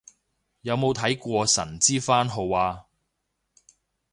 有冇睇過神之番號啊